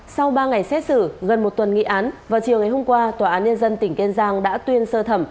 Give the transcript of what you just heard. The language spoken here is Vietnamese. sau ba ngày xét xử gần một tuần nghị án vào chiều ngày hôm qua tòa án nhân dân tỉnh kiên giang đã tuyên sơ thẩm